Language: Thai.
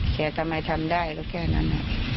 ทำไมทำได้ก็แค่นั้น